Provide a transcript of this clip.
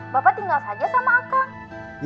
bapak tinggal saja sama akang